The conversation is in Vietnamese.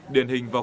điện hình vọc